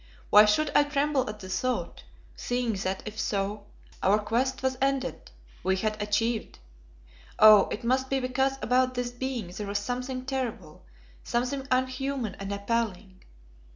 _ Why should I tremble at the thought, seeing that if so, our quest was ended, we had achieved? Oh! it must be because about this being there was something terrible, something un human and appalling.